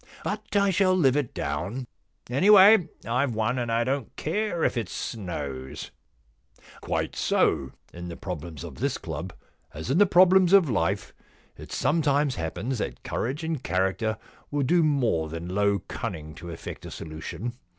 But I shall live it down. Any way, IVe won, and I don't care if it snows/ * Quite so. In the problems of this club, as in the problems of life, it sometimes happens that courage and character will do more than low cunning to effect a solution.